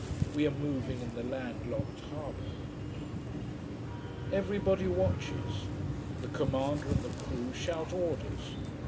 We are moving in the land locked harbour. Everybody watches. The commander and the crew shout orders.